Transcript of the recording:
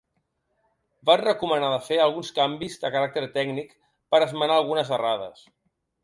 Van recomanar de fer alguns canvis de caràcter tècnic per esmenar algunes errades.